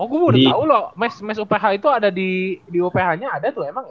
oh gua baru tau lho mes uph itu ada di uph nya ada tuh emang gak